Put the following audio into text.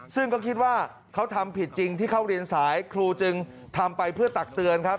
ซึ่งก็คิดว่าเขาทำผิดจริงที่เข้าเรียนสายครูจึงทำไปเพื่อตักเตือนครับ